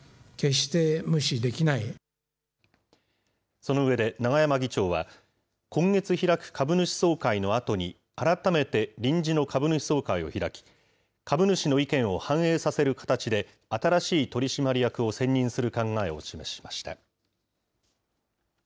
その上で永山議長は、今月開く株主総会のあとに、改めて臨時の株主総会を開き、株主の意見を反映させる形で、新しい取締役を選任する考えを示しました。